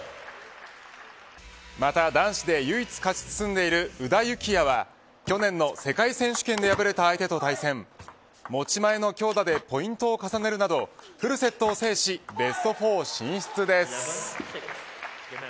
また男子で唯一勝ち進んでいる宇田幸矢は去年の世界選手権で敗れた相手と対戦。持ち前の強打でポイントを重ねるなどフルセットを制しベスト４進出です。